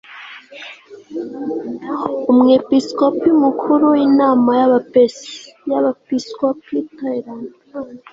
umwepisikopi mukuru inama y abepiskopi iterana